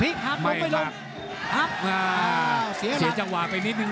พีคหาดลงไปลงครับอ้าวเสียจังหวะไปนิดนึง